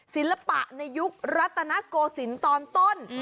ศิลปะในยุครัตนโกศิลป์ตอนต้น